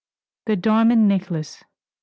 THE DIAMOND NECKLACE.